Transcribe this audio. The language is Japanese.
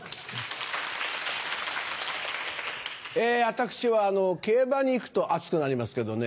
私は競馬に行くと熱くなりますけどね